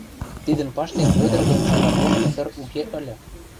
Тидӹн паштек Вӧдӹр дон Сакар лошты тыр уке ыльы.